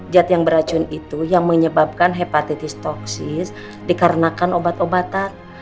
zat yang beracun itu yang menyebabkan hepatitis toksis dikarenakan obat obatan